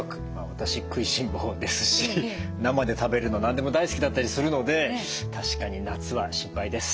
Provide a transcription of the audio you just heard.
私食いしん坊ですし生で食べるの何でも大好きだったりするので確かに夏は心配です。